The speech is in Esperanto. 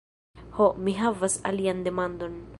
Ho, mi havas alian demandon.